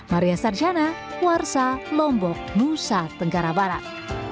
maria sarjana warsa lombok nusa tenggara barat